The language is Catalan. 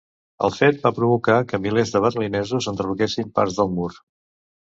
El fet va provocar que milers de berlinesos enderroquessin parts del Mur.